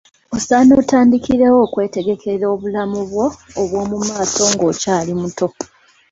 Osaana otandikirewo okwetegekera obulamu bwo obwo mu maaso ng'okyali muto.